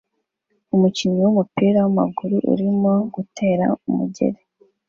Umukinnyi wumupira wamaguru arimo gutera umugeri